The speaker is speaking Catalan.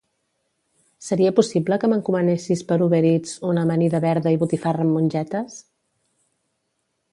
Seria possible que m'encomanessis per Uber Eats una amanida verda i botifarra amb mongetes?